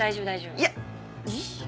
いやいいよ。